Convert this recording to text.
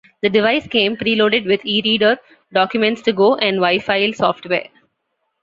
The device came pre-loaded with eReader, Documents To Go, and WiFile software.